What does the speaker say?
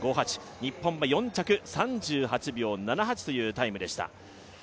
日本は４着３８秒７８というタイムでした。